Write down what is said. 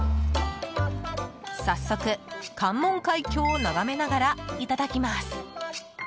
早速、関門海峡を眺めながらいただきます。